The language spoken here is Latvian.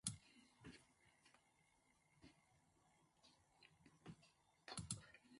Izstrādes gaitā Tieslietu ministrija konstatēja nepieciešamību paplašināt likumprojektu, lai regulētu plašāku jautājumu loku.